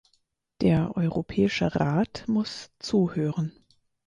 Der Europäische Rat muss zuhören.